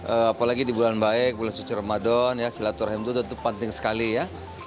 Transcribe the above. apalagi di bulan baik bulan suci ramadan ya silaturahim itu tentu penting sekali ya